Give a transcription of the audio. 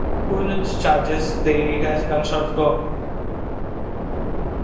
Coolidge charges the aide as gunshots go off.